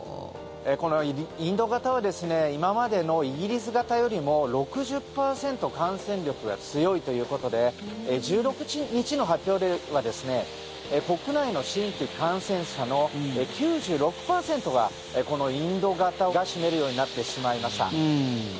このインド型は今までのイギリス型よりも６０％感染力が強いということで１６日の発表では国内の新規感染者の９６％がこのインド型が占めるようになってしまいました。